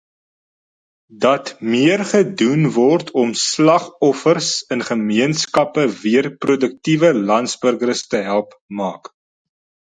Dat meer gedoen word om slagoffers in gemeenskappe weer produktiewe landsburgers te help maak.